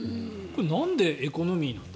なんでエコノミーなんだ？